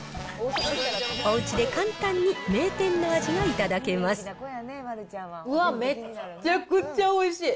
おうちで簡単に名店の味が頂けまうわっ、めっちゃくちゃおいしい。